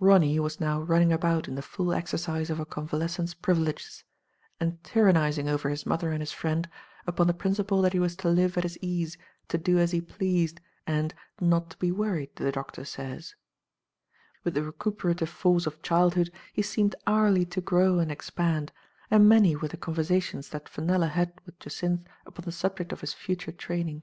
Ronny was now running about in the full exer cise of a convalescent's privileges, and tyrannizing over his mother and his friend upon the principle that he was to live at his ease, to do as he pleased, and *'not to be worried, the doctor says/* With the recuperative force of childhood he seemed hourly to grow and expand, and many were the conversations that Fenella had with Jacynth upon the subject of his future training.